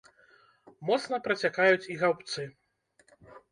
Моцна працякаюць і гаўбцы.